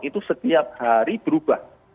itu setiap hari berubah